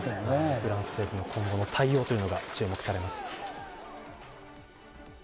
フランス政府の今後の対応が注目されます。